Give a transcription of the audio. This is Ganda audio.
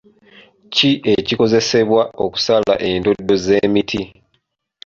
Ki ekikozesebwa okusala endoddo z'emiti?